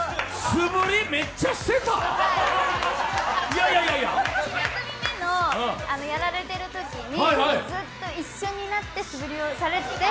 １組目のやられてるときにずっと一緒になって素振りをされてて。